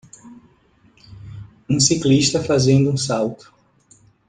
Um ciclista fazendo um salto.